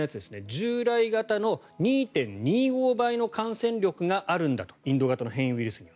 従来型の２．２５倍の感染力があるんだとインド型の変異ウイルスには。